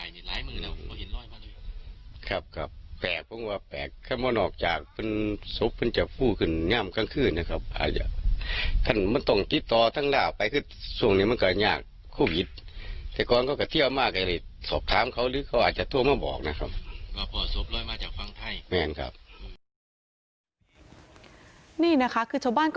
นี่นะคะชาวบ้านก็บอกว่าแปลก